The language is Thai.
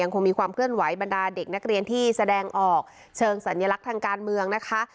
คงมีความเคลื่อนไหวบรรดาเด็กนักเรียนที่แสดงออกเชิงสัญลักษณ์ทางการเมืองนะคะ